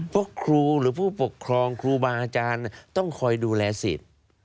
พวกครูหรือผู้ปกครองครูบางอาจารย์ต้องคอยดูแลสิทธิ์